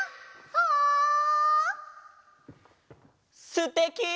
すてき！